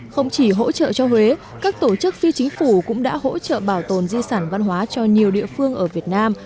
không chỉ hỗ trợ cho huế các tổ chức phi chính phủ cũng đã hỗ trợ bảo tồn di sản văn hóa cho nhiều địa phương ở việt nam